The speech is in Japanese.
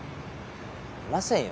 いませんよ